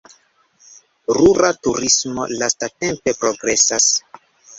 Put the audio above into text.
Rura turismo lastatempe progresas.